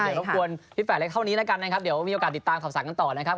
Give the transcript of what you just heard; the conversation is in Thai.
เดี๋ยวรบกวนพี่แฝดเล็กเท่านี้แล้วกันนะครับเดี๋ยวมีโอกาสติดตามข่าวสารกันต่อนะครับ